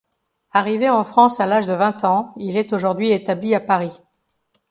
Arrivé en France à l'âge de vingt ans, il est aujourd'hui établi à Paris.